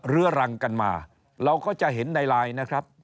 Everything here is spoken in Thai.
เรื้อรังกันมาเราก็จะเห็นในไลน์นะครับ